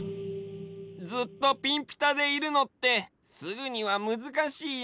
ずっとピンピタでいるのってすぐにはむずかしいよね。